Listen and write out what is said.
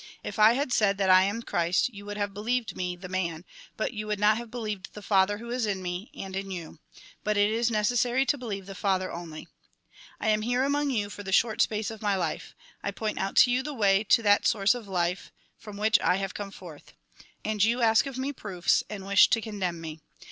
If I had said that I am Christ, you would have believed me, the Man, but you would not have believed the Father who is in me, and in you. But it is necessary to believe the Father only. " I am here among you for the short space of my life. I point out to you the way to that source of life, from which I have come forth. And you ask of me proofs, and wish to condemn me.